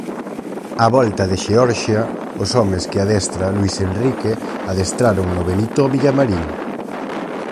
Á volta de Xeorxia, os homes que adestra Luís Enrique adestraron no Benito Villamarín.